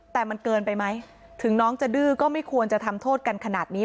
แต่มันเกินไปไหมถึงน้องจะดื้อก็ไม่ควรจะทำโทษกันขนาดนี้